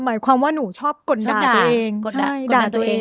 หมายความว่าหนูชอบกดด่าตัวเอง